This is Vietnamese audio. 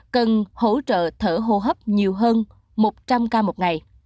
cần hỗ trợ thở hô hấp nhiều hơn một trăm linh ca một ngày